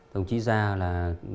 đồng chí ra là